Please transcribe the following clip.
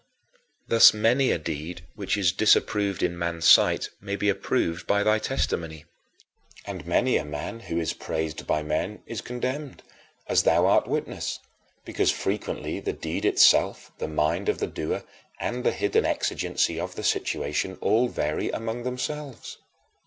Thus, many a deed which is disapproved in man's sight may be approved by thy testimony. And many a man who is praised by men is condemned as thou art witness because frequently the deed itself, the mind of the doer, and the hidden exigency of the situation all vary among themselves.